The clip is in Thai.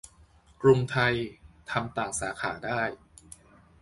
- กรุงไทย ทำต่างสาขาได้